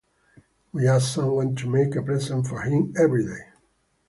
We ask someone to make a present for him every day.